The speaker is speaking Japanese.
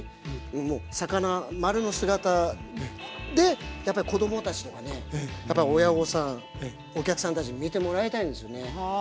もう魚まるの姿でやっぱり子供たちとかね親御さんお客さんたちに見てもらいたいんですよね。